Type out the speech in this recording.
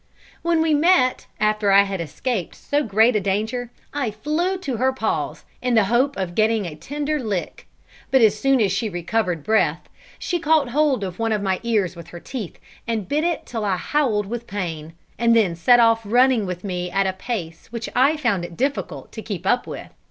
When we met, after I had escaped so great a danger, I flew to her paws, in the hope of getting a tender lick; but as soon as she recovered breath, she caught hold of one of my ears with her teeth, and bit it till I howled with pain, and then set off running with me at a pace which I found it difficult to keep up with.